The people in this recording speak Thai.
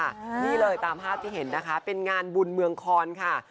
นี่เลยตามภาพที่เห็นนะคะเป็นงานบุญเมืองคอนค่ะ